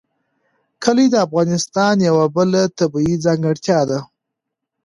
کلي د افغانستان یوه بله طبیعي ځانګړتیا ده.